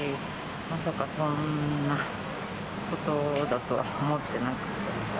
まさかそんなことだとは思ってなくて。